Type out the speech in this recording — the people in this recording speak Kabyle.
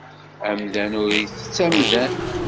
Amdan ur ittett amdan.